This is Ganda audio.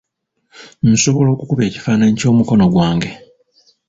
Nsobola okukuba ekifaananyi ky'omukono gwange.